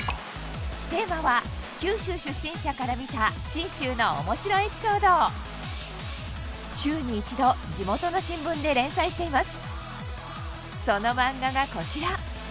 テーマは九州出身者から見た信州の面白エピソード週に一度地元の新聞で連載しています